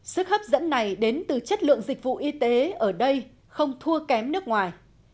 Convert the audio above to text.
sức hấp dẫn này đến từ chất lượng dịch vụ y tế ở đây không thua kém nước ngoài